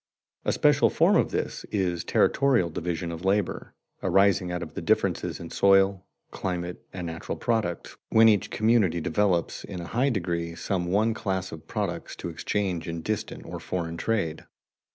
A special form of this is territorial division of labor, arising out of differences in soil, climate, and natural products, when each community develops in a high degree some one class of products to exchange in distant or foreign trade.